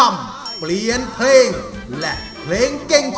และเงินที่สะสมมาจะตกเป็นของผู้ที่ร้องถูก